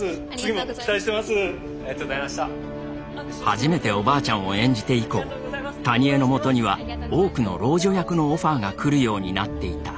初めておばあちゃんを演じて以降谷栄のもとには多くの老女役のオファーが来るようになっていた。